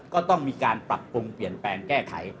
ก็ต้องมีการปรับปรุงเปลี่ยนแปลงแก้ไข